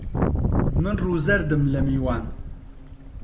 من ڕوو زەردم لە میوان